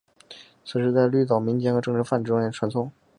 此事在绿岛民间和政治犯中间传诵。